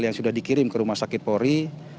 yang sudah dikirim ke rumah sakit polri